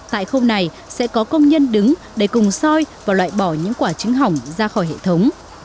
tại khâu này sẽ có công nhân đứng để cùng soi và loại bỏ những quả trứng hỏng ra khỏi hệ thống